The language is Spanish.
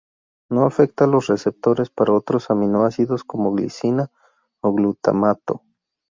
No afecta los receptores para otros aminoácidos como glicina o glutamato.